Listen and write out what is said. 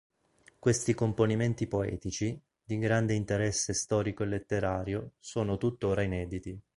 Questi componimenti poetici, di grande interesse storico e letterario, sono tuttora inediti.